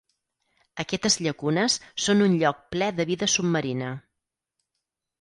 Aquestes llacunes són un lloc ple de vida submarina.